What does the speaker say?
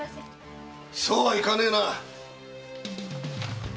〔そうはいかねえな！〕